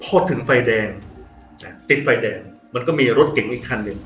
พอถึงไฟแดงติดไฟแดงมันก็มีรถเก่งอีกคันหนึ่ง